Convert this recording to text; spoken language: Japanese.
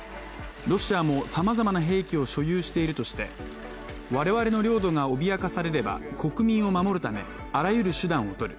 ロシアもさまざまな兵器を所有しているとして我々の領土が脅かされれば国民を守るため、あらゆる手段をとる。